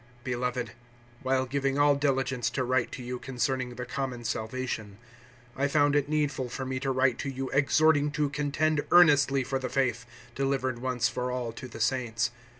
(3)Beloved, while giving all diligence to write to you concerning the common salvation, I found it needful for me to write to you exhorting to contend earnestly for the faith, delivered once for all to the saints.